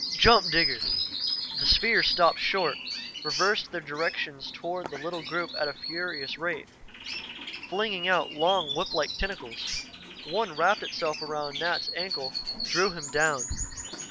"Jump, Digger!" The spheres stopped short, reversed their direction toward the little group at a furious rate, flinging out long, whip like tentacles. One wrapped itself around Nat's ankle, drew him down.